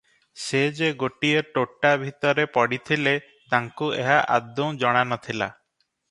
ସେ ଯେ ଗୋଟିଏ ତୋଟା ଭିତରେ ପଡ଼ିଥିଲେ ତାଙ୍କୁ ଏହା ଆଦୌ ଜଣା ନଥିଲା ।